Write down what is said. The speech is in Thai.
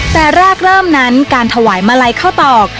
แต่แรกเริ่มนั้นการถวายมาลัยข้าวตอก